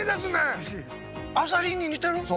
アサリに似てる？